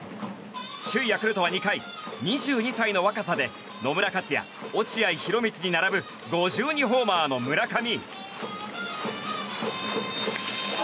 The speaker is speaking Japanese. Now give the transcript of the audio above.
首位ヤクルトは２回２２歳の若さで野村克也、落合博満に並ぶ５２ホーマーの村上。